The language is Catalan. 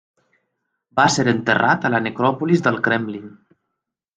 Va ser enterrat a la Necròpolis del Kremlin.